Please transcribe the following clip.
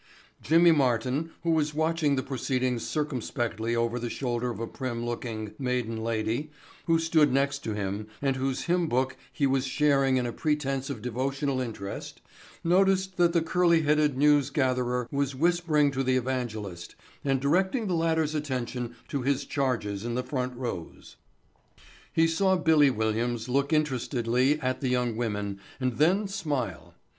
Jimmy Martin, who was watching the proceedings circumspectly over the shoulder of a prim looking maiden lady who stood next him and whose hymn book he was sharing in a pretense of devotional interest, noticed that the curly headed newsgatherer was whispering to the evangelist and directing the latter's attention to his charges in the front rows. He saw "Billy" Williams look interestedly at the young women and then smile.